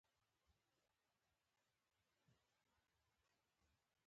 د خپلې ژبې خدمت وکړﺉ